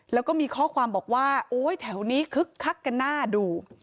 แล้วก็มีข้อความบอกว่าโอ๊ยแถวนี้คึกคักกันน่าดู